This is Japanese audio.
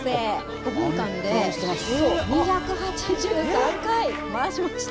５分間で２８３回回しました。